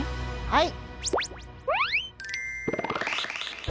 はい。